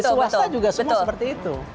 di swasta juga semua seperti itu